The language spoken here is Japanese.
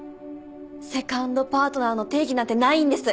セカンドパートナーの定義なんてないんです。